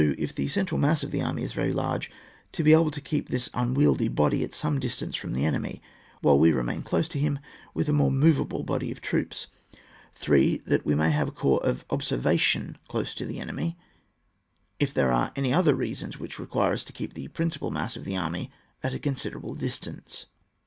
If the central mass of the army is very large, to be able to keep this unwieldy body at some distance from the enemy, while we still remain close to him with a more moveable body of troops. 3. That we may have a corps of ob servation close to the enemy, if there are any other reasons which require us to keep the principal mass of the army at a considerable distance.